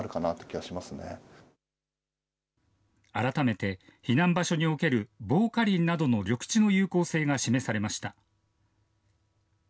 改めて避難場所における防火林などの緑地の有効性が示されました。